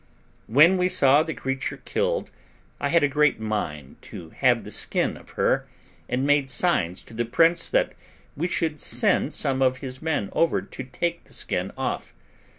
When we saw the creature killed, I had a great mind to have the skin of her, and made signs to the prince that he should send some of his men over to take the skin off.